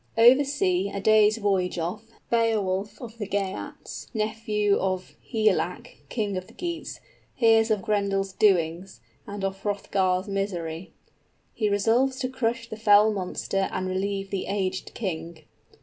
_ _Over sea, a day's voyage off, Beowulf, of the Geats, nephew of Higelac, king of the Geats, hears of Grendel's doings and of Hrothgar's misery. He resolves to crush the fell monster and relieve the aged king.